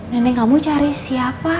nenek kamu cari siapa